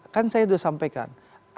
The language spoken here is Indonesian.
kan saya sudah sampaikan